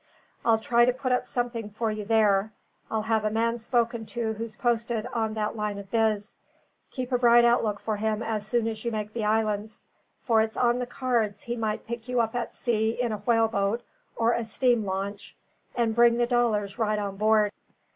I'll try to put up something for you there; I'll have a man spoken to who's posted on that line of biz. Keep a bright lookout for him as soon's you make the islands; for it's on the cards he might pick you up at sea in a whaleboat or a steam launch, and bring the dollars right on board."